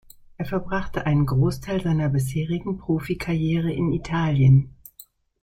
Er verbrachte einen Großteil seiner bisherigen Profikarriere in Italien.